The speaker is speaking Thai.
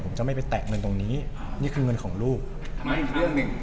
ผมจะไม่ไปแตะเงินตรงนี้นี่คือเงินของลูกทำไมอีกเรื่องหนึ่ง